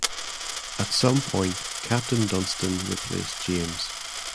At some point Captain Dunston replaced James.